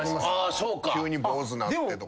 急に坊主なってとか。